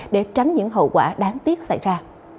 để tránh những hậu quả đáng tiếc xảy ra